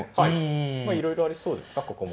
いろいろありそうですかここも。